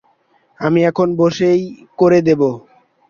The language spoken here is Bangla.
আমি এখন বাসেই করে দেবো।